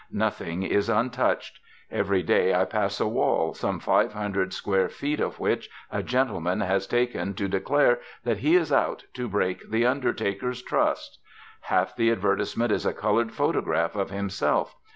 Nothing is untouched. Every day I pass a wall, some five hundred square feet of which a gentleman has taken to declare that he is 'out' to break the Undertakers' Trust. Half the advertisement is a coloured photograph of himself.